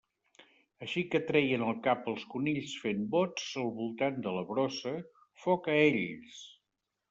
Així que treien el cap els conills fent bots al voltant de la brossa, foc a ells!